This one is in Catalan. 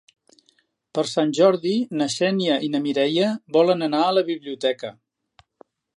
Per Sant Jordi na Xènia i na Mireia volen anar a la biblioteca.